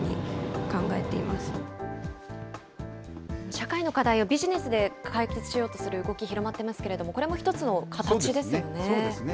社会の課題をビジネスで解決しようとする動き、広まってますけれども、これも一つの形ですよね。